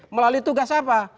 melalui tugas apa